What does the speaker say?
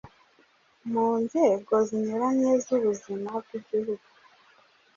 mu nzego zinyuranye z’ubuzima bw’Igihugu.